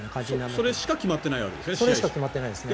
それしか決まってないわけですね。